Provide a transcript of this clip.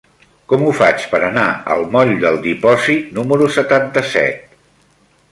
Com ho faig per anar al moll del Dipòsit número setanta-set?